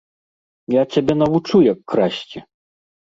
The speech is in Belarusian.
Я цябе навучу, як красці!